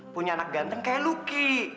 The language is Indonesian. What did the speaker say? punya anak ganteng kayak luki